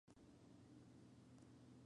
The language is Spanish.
La sede del condado es Sheridan.